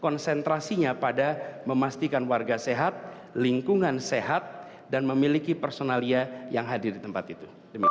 konsentrasinya pada memastikan warga sehat lingkungan sehat dan memiliki personalia yang hadir di tempat itu